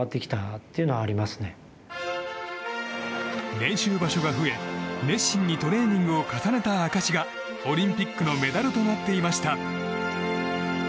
練習場所が増え、熱心にトレーニングを重ねた証しがオリンピックのメダルとなっていました。